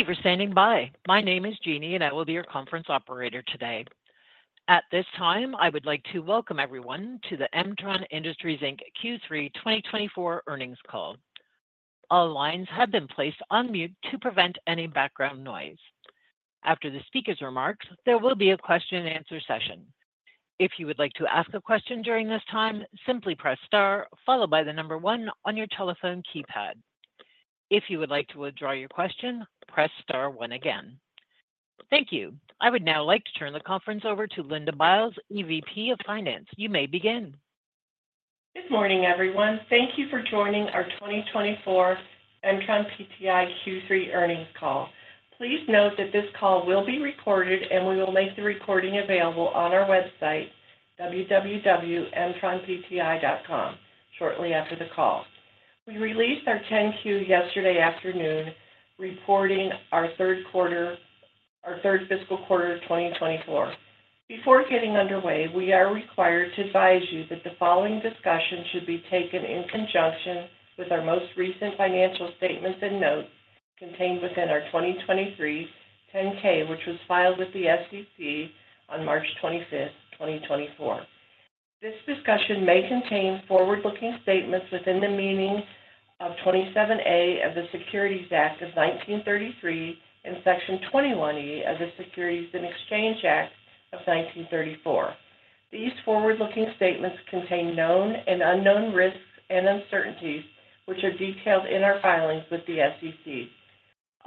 Thank you for standing by. My name is Jeannie, and I will be your conference operator today. At this time, I would like to welcome everyone to the M-tron Industries Inc. Q3 2024 earnings call. All lines have been placed on mute to prevent any background noise. After the speaker's remarks, there will be a question-and-answer session. If you would like to ask a question during this time, simply press star, followed by the number one on your telephone keypad. If you would like to withdraw your question, press star one again. Thank you. I would now like to turn the conference over to Linda Biles, EVP of Finance. You may begin. Good morning, everyone. Thank you for joining our 2024 MtronPTI Q3 earnings call. Please note that this call will be recorded, and we will make the recording available on our website, www.mtronpti.com, shortly after the call. We released our 10-Q yesterday afternoon, reporting our third quarter, our third fiscal quarter of 2024. Before getting underway, we are required to advise you that the following discussion should be taken in conjunction with our most recent financial statements and notes contained within our 2023 10-K, which was filed with the SEC on March 25, 2024. This discussion may contain forward-looking statements within the meaning of 27-A of the Securities Act of 1933 and Section 21-E of the Securities and Exchange Act of 1934. These forward-looking statements contain known and unknown risks and uncertainties, which are detailed in our filings with the SEC.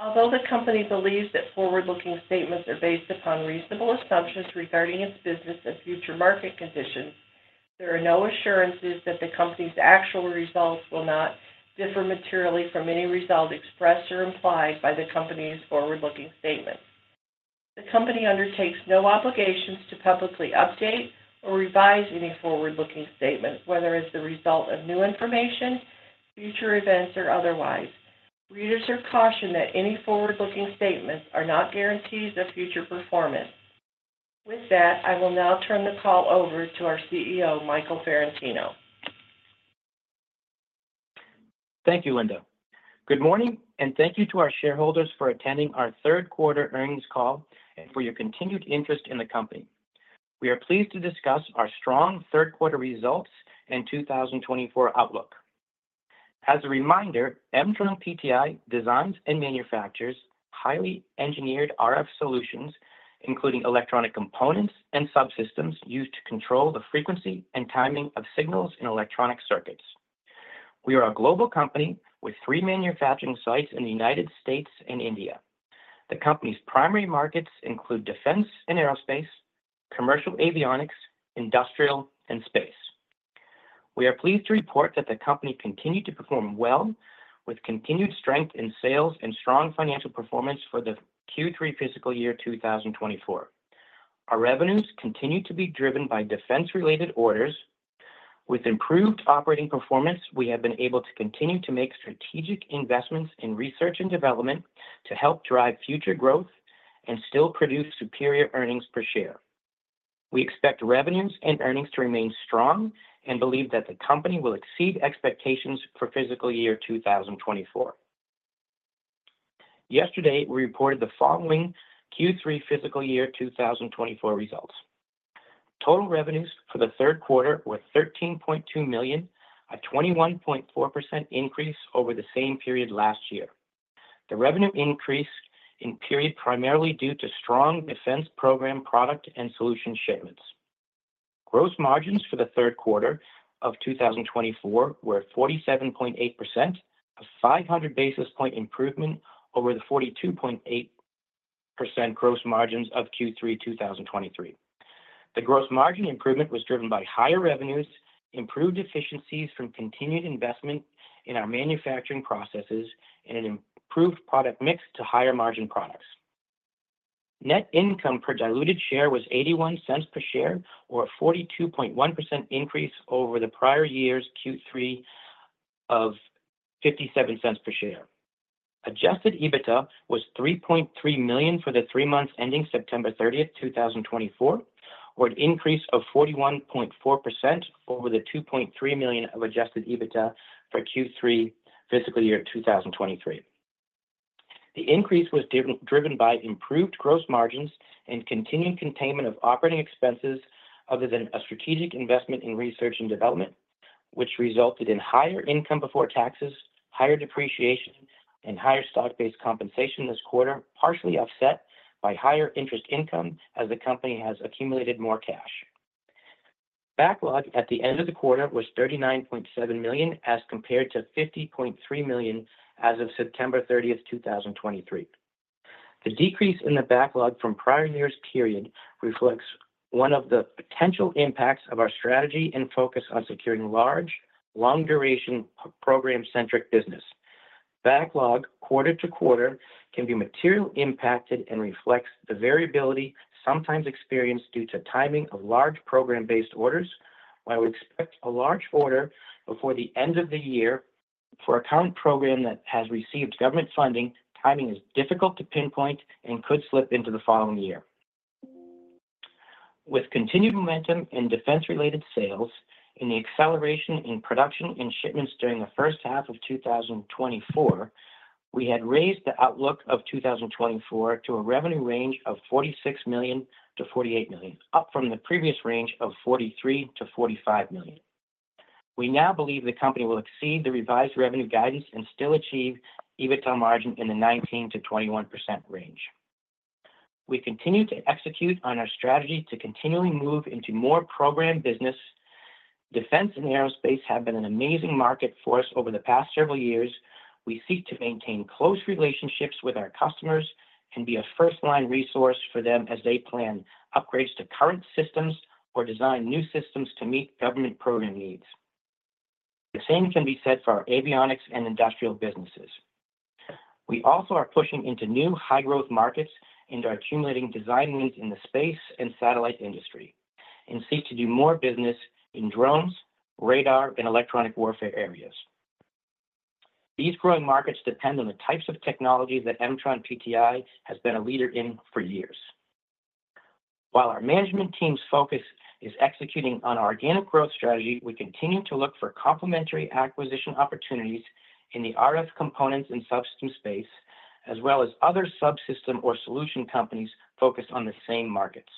Although the company believes that forward-looking statements are based upon reasonable assumptions regarding its business and future market conditions, there are no assurances that the company's actual results will not differ materially from any result expressed or implied by the company's forward-looking statements. The company undertakes no obligations to publicly update or revise any forward-looking statement, whether as the result of new information, future events, or otherwise. Readers are cautioned that any forward-looking statements are not guarantees of future performance. With that, I will now turn the call over to our CEO, Michael Ferentino. Thank you, Linda. Good morning, and thank you to our shareholders for attending our third quarter earnings call and for your continued interest in the company. We are pleased to discuss our strong third quarter results and 2024 outlook. As a reminder, M-tron PTI designs and manufactures highly engineered RF solutions, including electronic components and subsystems used to control the frequency and timing of signals in electronic circuits. We are a global company with three manufacturing sites in the United States and India. The company's primary markets include defense and aerospace, commercial avionics, industrial, and space. We are pleased to report that the company continued to perform well, with continued strength in sales and strong financial performance for the Q3 fiscal year 2024. Our revenues continue to be driven by defense-related orders. With improved operating performance, we have been able to continue to make strategic investments in research and development to help drive future growth and still produce superior earnings per share. We expect revenues and earnings to remain strong and believe that the company will exceed expectations for fiscal year 2024. Yesterday, we reported the following Q3 fiscal year 2024 results. Total revenues for the third quarter were $13.2 million, a 21.4% increase over the same period last year. The revenue increase in period was primarily due to strong defense program product and solution shipments. Gross margins for the third quarter of 2024 were 47.8%, a 500 basis points improvement over the 42.8% gross margins of Q3 2023. The gross margin improvement was driven by higher revenues, improved efficiencies from continued investment in our manufacturing processes, and an improved product mix to higher margin products. Net income per diluted share was $0.81 per share, or a 42.1% increase over the prior year's Q3 of $0.57 per share. Adjusted EBITDA was $3.3 million for the three months ending September 30, 2024, or an increase of 41.4% over the $2.3 million of adjusted EBITDA for Q3 fiscal year 2023. The increase was driven by improved gross margins and continued containment of operating expenses other than a strategic investment in research and development, which resulted in higher income before taxes, higher depreciation, and higher stock-based compensation this quarter, partially offset by higher interest income as the company has accumulated more cash. Backlog at the end of the quarter was $39.7 million as compared to $50.3 million as of September 30, 2023. The decrease in the backlog from prior year's period reflects one of the potential impacts of our strategy and focus on securing large, long-duration program-centric business. Backlog quarter to quarter can be materially impacted and reflects the variability sometimes experienced due to timing of large program-based orders. While we expect a large order before the end of the year for a current program that has received government funding, timing is difficult to pinpoint and could slip into the following year. With continued momentum in defense-related sales and the acceleration in production and shipments during the first half of 2024, we had raised the outlook of 2024 to a revenue range of $46 million-$48 million, up from the previous range of $43 million-$45 million. We now believe the company will exceed the revised revenue guidance and still achieve EBITDA margin in the 19%-21% range. We continue to execute on our strategy to continually move into more program business. Defense and aerospace have been an amazing market for us over the past several years. We seek to maintain close relationships with our customers and be a first-line resource for them as they plan upgrades to current systems or design new systems to meet government program needs. The same can be said for our avionics and industrial businesses. We also are pushing into new high-growth markets and are accumulating design wins in the space and satellite industry and seek to do more business in drones, radar, and electronic warfare areas. These growing markets depend on the types of technology that MtronPTI has been a leader in for years. While our management team's focus is executing on our organic growth strategy, we continue to look for complementary acquisition opportunities in the RF components and subsystem space, as well as other subsystem or solution companies focused on the same markets.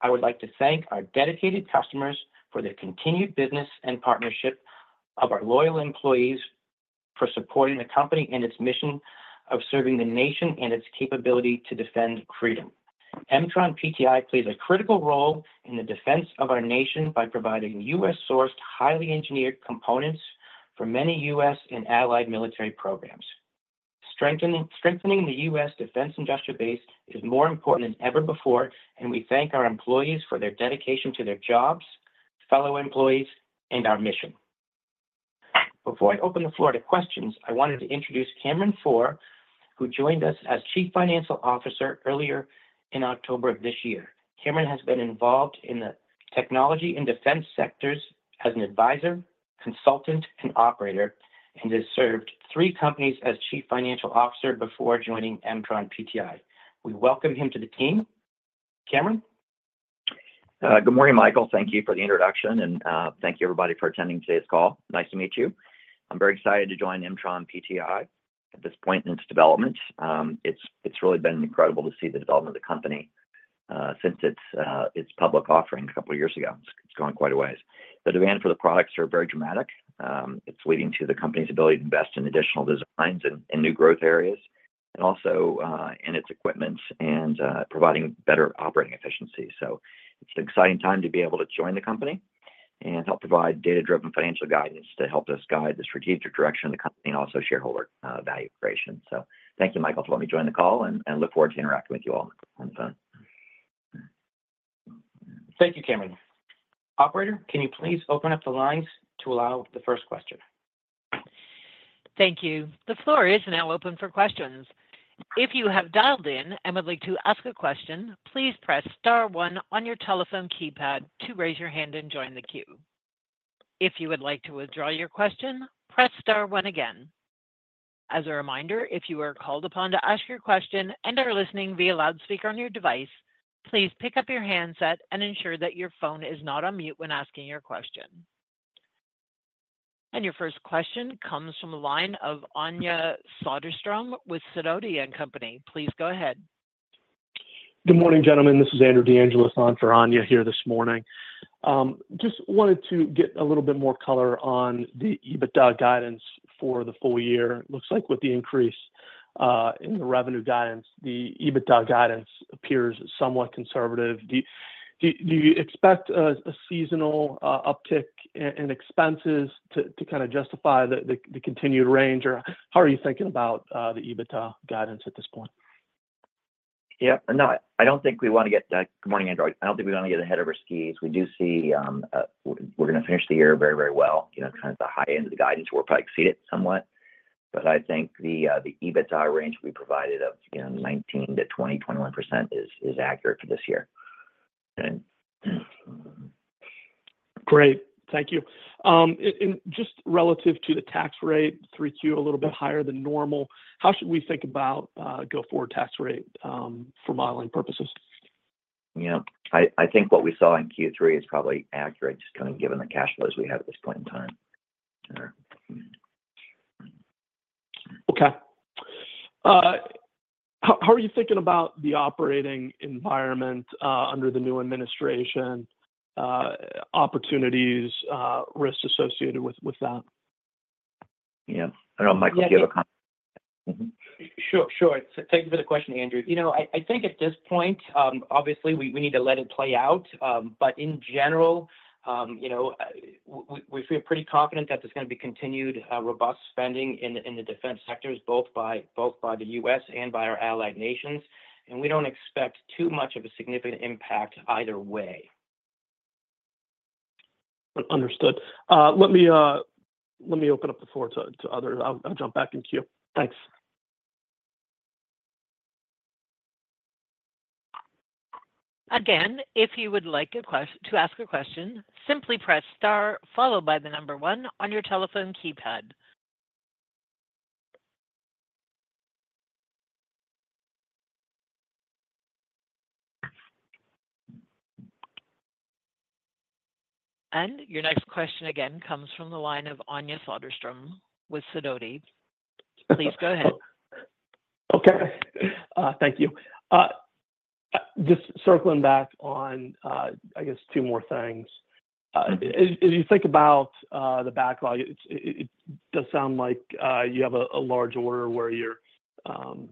I would like to thank our dedicated customers for the continued business and partnership of our loyal employees for supporting the company and its mission of serving the nation and its capability to defend freedom. MtronPTI plays a critical role in the defense of our nation by providing U.S.-sourced, highly engineered components for many U.S. and allied military programs. Strengthening the U.S. defense industrial base is more important than ever before, and we thank our employees for their dedication to their jobs, fellow employees, and our mission. Before I open the floor to questions, I wanted to introduce Cameron Pforr, who joined us as Chief Financial Officer earlier in October of this year. Cameron has been involved in the technology and defense sectors as an advisor, consultant, and operator, and has served three companies as Chief Financial Officer before joining MtronPTI. We welcome him to the team. Cameron? Good morning, Michael. Thank you for the introduction, and thank you, everybody, for attending today's call. Nice to meet you. I'm very excited to join MtronPTI at this point in its development. It's really been incredible to see the development of the company since its public offering a couple of years ago. It's grown quite a ways. The demand for the products is very dramatic. It's leading to the company's ability to invest in additional designs and new growth areas, and also in its equipment and providing better operating efficiency. So it's an exciting time to be able to join the company and help provide data-driven financial guidance to help us guide the strategic direction of the company and also shareholder value creation. So thank you, Michael, for letting me join the call, and I look forward to interacting with you all on the phone. Thank you, Cameron. Operator, can you please open up the lines to allow the first question? Thank you. The floor is now open for questions. If you have dialed in and would like to ask a question, please press star one on your telephone keypad to raise your hand and join the queue. If you would like to withdraw your question, press star one again. As a reminder, if you are called upon to ask your question and are listening via loudspeaker on your device, please pick up your handset and ensure that your phone is not on mute when asking your question. And your first question comes from a line of Anja Soderstrom with Sidoti & Company. Please go ahead. Good morning, gentlemen. This is Andrew DeAngelo from Anja here this morning. Just wanted to get a little bit more color on the EBITDA guidance for the full year. It looks like with the increase in the revenue guidance, the EBITDA guidance appears somewhat conservative. Do you expect a seasonal uptick in expenses to kind of justify the continued range, or how are you thinking about the EBITDA guidance at this point? Yeah. No, I don't think we want to get ahead of our skis. Good morning, Andrew. We do see we're going to finish the year very, very well. Kind of the high end of the guidance, we'll probably exceed it somewhat. But I think the EBITDA range we provided of 19%-21% is accurate for this year. Great. Thank you. And just relative to the tax rate, 3Q a little bit higher than normal. How should we think about a go-forward tax rate for modeling purposes? Yeah. I think what we saw in Q3 is probably accurate, just kind of given the cash flows we have at this point in time. Okay. How are you thinking about the operating environment under the new administration, opportunities, risks associated with that? Yeah. I don't know, Michael, do you have a comment? Sure. Thank you for the question, Andrew. I think at this point, obviously, we need to let it play out. But in general, we feel pretty confident that there's going to be continued robust spending in the defense sectors, both by the U.S. and by our allied nations. And we don't expect too much of a significant impact either way. Understood. Let me open up the floor to others. I'll jump back in queue. Thanks. Again, if you would like to ask a question, simply press star followed by the number one on your telephone keypad. And your next question again comes from the line of Anja Soderstrom with Sidoti. Please go ahead. Okay. Thank you. Just circling back on, I guess, two more things. As you think about the backlog, it does sound like you have a large order where you're kind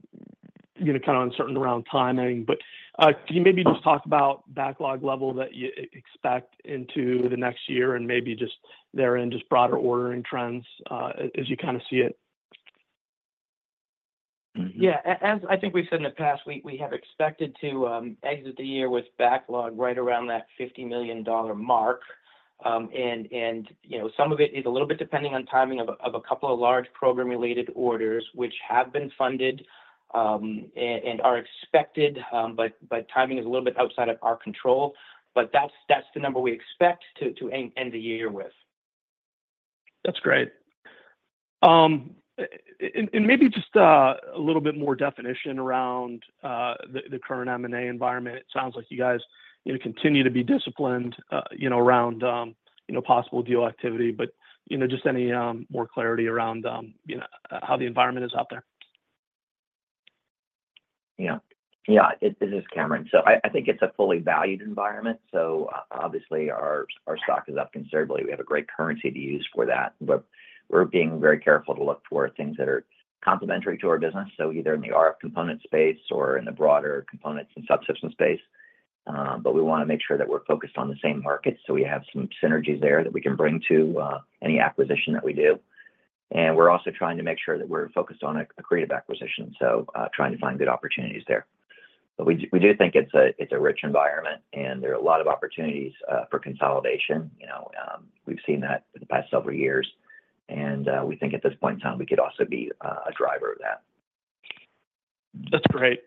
of uncertain around timing. But can you maybe just talk about the backlog level that you expect into the next year and maybe just there in just broader ordering trends as you kind of see it? Yeah. As I think we've said in the past, we have expected to exit the year with backlog right around that $50 million mark. And some of it is a little bit depending on timing of a couple of large program-related orders, which have been funded and are expected, but timing is a little bit outside of our control. But that's the number we expect to end the year with. That's great. And maybe just a little bit more definition around the current M&A environment. It sounds like you guys continue to be disciplined around possible deal activity. But just any more clarity around how the environment is out there? Yeah. Yeah. This is Cameron. So I think it's a fully valued environment. So obviously, our stock is up considerably. We have a great currency to use for that. But we're being very careful to look for things that are complementary to our business, so either in the RF component space or in the broader components and subsystem space. But we want to make sure that we're focused on the same market. So we have some synergies there that we can bring to any acquisition that we do. And we're also trying to make sure that we're focused on an accretive acquisition, so trying to find good opportunities there. But we do think it's a rich environment, and there are a lot of opportunities for consolidation. We've seen that for the past several years. And we think at this point in time, we could also be a driver of that. That's great.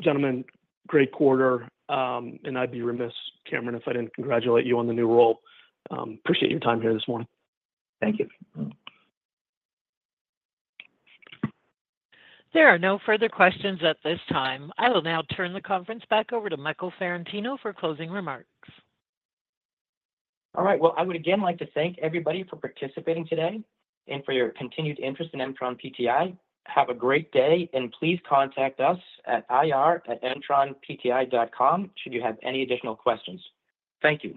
Gentlemen, great quarter. And I'd be remiss, Cameron, if I didn't congratulate you on the new role. Appreciate your time here this morning. Thank you. There are no further questions at this time. I will now turn the conference back over to Michael Ferentino for closing remarks. All right. Well, I would again like to thank everybody for participating today and for your continued interest in MtronPTI. Have a great day, and please contact us at ir@mtronpti.com should you have any additional questions. Thank you.